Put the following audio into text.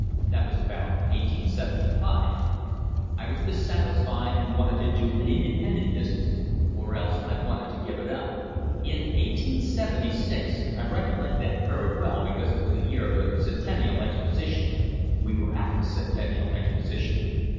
That was about 1875. I was dissatisfied and wanted to do an independent business, or else I wanted to give it up. In 1876 — I recollect that very well, because it was the year of the Centennial Exposition — we were at the Centennial Exposition.